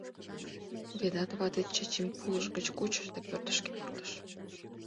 Ведат вате Чачим пулыш гыч кучыш да пӧртышкӧ пуртыш.